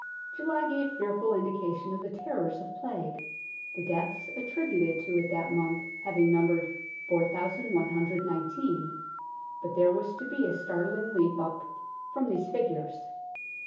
July gave fearful indication of the terrors of Plague, the deaths attributed to it that month having numbered 4119, but there was to be a startling leap up from these figures.